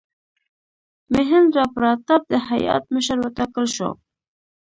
میهندراپراتاپ د هیات مشر وټاکل شو.